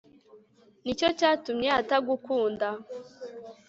ni cyo cyatumye atagukunda'